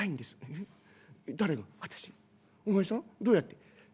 どうやって？」。